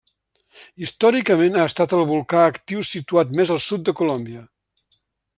Històricament ha estat el volcà actiu situat més al sud de Colòmbia.